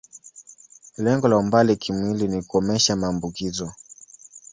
Lengo la umbali kimwili ni kukomesha maambukizo.